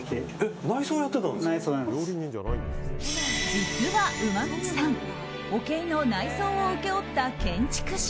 実は、馬道さんおけ以の内装を請け負った建築士。